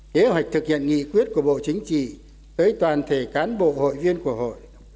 kế hoạch thực hiện nghị quyết của bộ chính trị tới toàn thể cán bộ hội viên của hội